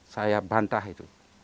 saya bantah itu